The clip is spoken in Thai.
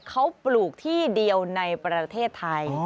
เขาปลูกที่เดียวในประเทศไทย